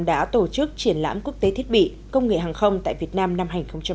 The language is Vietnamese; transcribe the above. đã tổ chức triển lãm quốc tế thiết bị công nghệ hàng không tại việt nam năm hai nghìn một mươi chín